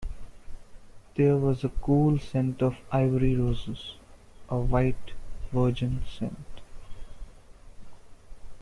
There was a cool scent of ivory roses — a white, virgin scent.